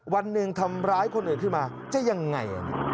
วันหนึ่งทำร้ายคนอื่นขึ้นมาจะยังไง